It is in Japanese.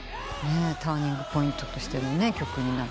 ターニングポイントとしての曲になったと。